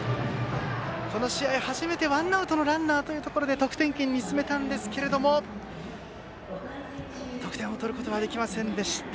この試合初めて、ワンアウトのランナーというところで得点圏に進めたんですけれども得点を取ることはできませんでした。